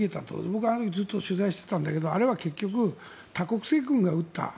僕、あの時に取材をしていたんだけどあれは結局、多国籍軍が撃った。